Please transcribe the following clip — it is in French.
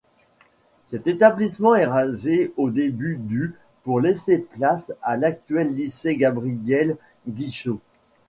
Cet établissement est rasé au début du pour laisser place à l'actuel Lycée Gabriel-Guist'hau.